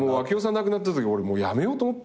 亡くなったとき俺辞めようと思って。